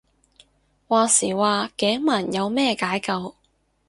話時話頸紋有咩解救